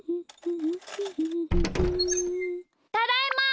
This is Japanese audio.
ただいま！